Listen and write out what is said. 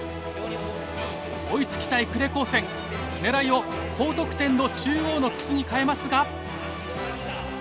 追いつきたい呉高専狙いを高得点の中央の筒に変えますが。